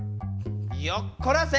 よっこらせ。